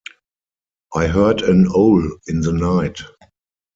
I heard an owl in the night.